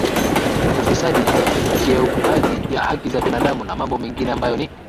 ufisadi za ukieukaji ya haki za kibinadamu na mambo mengine ambayo ni